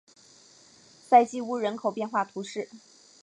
勒基乌人口变化图示